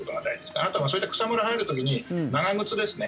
あとは、そういった草むらに入る時に長靴ですね。